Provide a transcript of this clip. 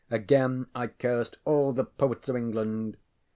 Again I cursed all the poets of England.